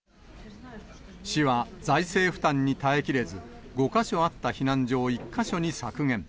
市は財政負担に耐えきれず、５か所あった避難所を１か所に削減。